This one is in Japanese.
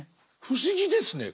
不思議ですね。